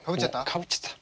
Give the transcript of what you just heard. かぶっちゃった。